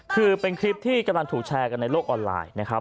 คือเป็นคลิปที่กำลังถูกแชร์กันในโลกออนไลน์นะครับ